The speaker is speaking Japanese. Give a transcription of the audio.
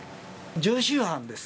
常習犯です。